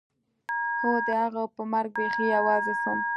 خو د هغه په مرګ بيخي يوازې سوم.